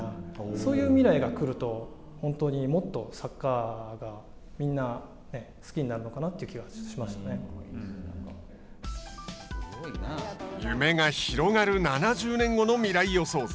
そういう未来が来ると本当にもっとサッカーがみんな、好きになる夢が広がる７０年後の未来予想図。